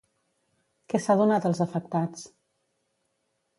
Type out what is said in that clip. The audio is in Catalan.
Què s'ha donat als afectats?